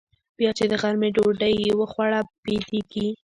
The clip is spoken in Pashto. بيا چې د غرمې ډوډۍ يې وخوړه بيدېږي.